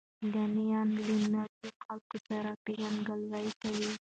سیلانیان له نویو خلکو سره پیژندګلوي کوي.